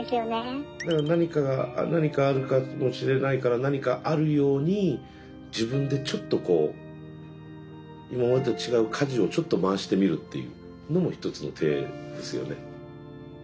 だから何かが何かあるかもしれないから何かあるように自分でちょっとこう今までと違うかじをちょっと回してみるっていうのも一つの手ですよね。